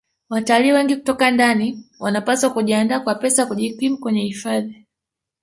Watalii wengi kutoka ndani wanapaswa kujiandaa kwa pesa ya kujikimu kwenye hifadhi